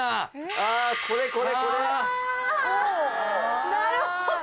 あぁなるほど！